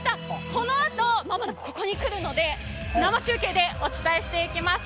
このあと、こちらに来ますので生中継でお伝えしていきます。